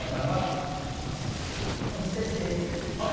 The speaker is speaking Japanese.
おひたしです。